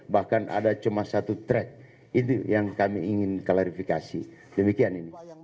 bahkan ada cuma satu track itu yang kami ingin klarifikasi demikian ini